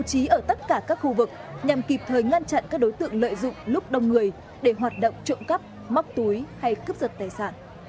trí ở tất cả các khu vực nhằm kịp thời ngăn chặn các đối tượng lợi dụng lúc đông người để hoạt động trộm cắp móc túi hay cướp giật tài sản